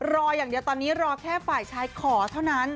รออย่างเดียวตอนนี้รอแค่ฝ่ายชายขอเท่านั้น